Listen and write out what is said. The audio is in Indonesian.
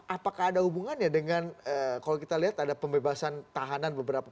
apakah ada hubungannya dengan kalau kita lihat ada pembebasan tahanan beberapa